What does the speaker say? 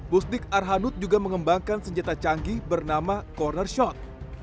busdik arhanud juga mengembangkan senjata canggih bernama corner shot